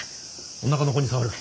おなかの子に障る。